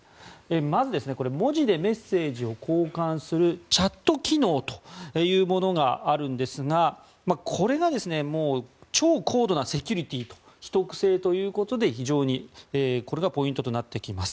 まず、文字でメッセージを交換するチャット機能というものがあるんですがこれが超高度なセキュリティーと秘匿性ということで、非常にこれがポイントとなってきます。